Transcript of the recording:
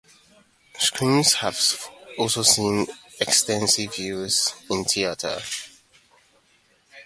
Scrims have also seen extensive use in theatre.